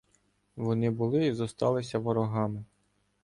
Вони були і зосталися ворогами.